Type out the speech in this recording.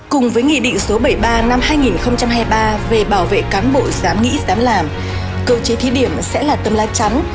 cùng với nghị định số bảy mươi ba năm hai nghìn hai mươi ba về bảo vệ cán bộ dám nghĩ dám làm cơ chế thí điểm sẽ là tấm lá chắn